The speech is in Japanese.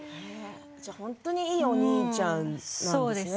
本当にいいお兄ちゃんなんですね。